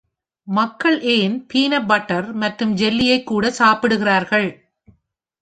மக்கள் ஏன் peanut butter மற்றும் ஜெல்லியைக் கூட சாப்பிடுகிறார்கள்?